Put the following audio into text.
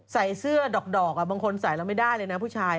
ใส่เสื้อดอกบางคนใส่แล้วไม่ได้เลยนะผู้ชาย